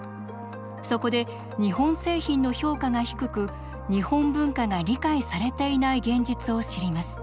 そこで日本製品の評価が低く日本文化が理解されていない現実を知ります。